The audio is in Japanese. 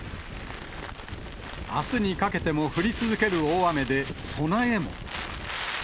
あすにかけても降り続ける大雨で、備えも。